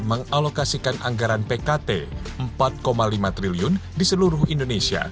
mengalokasikan anggaran pkt rp empat lima triliun di seluruh indonesia